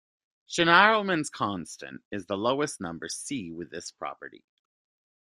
Schnirelmann's constant is the lowest number C with this property.